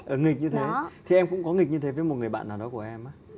ở nghịch như thế thì em cũng có nghịch như thế với một người bạn nào đó của em á